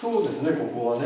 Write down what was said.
ここはね。